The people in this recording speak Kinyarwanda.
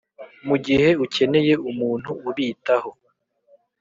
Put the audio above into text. mugihe ukeneye umuntu ubitaho,